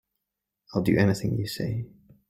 I'll do anything you say.